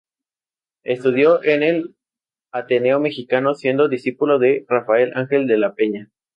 Estudió en el Ateneo Mexicano siendo discípulo de Rafael Ángel de la Peña.